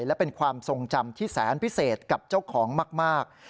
และเป็นความทรงจำที่แสนพิเศษกับเจ้าของมาก